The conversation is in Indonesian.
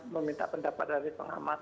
meminta pendapat dari pengamat